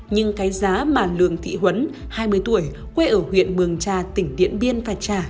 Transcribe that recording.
nhưng cái giá mà lương thị huấn hai mươi tuổi quê ở huyện mường trà tỉnh điện biên phà trà